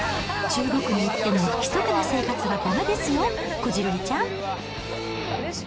中国に行っても、不規則な生活はだめですよ、こじるりちゃん。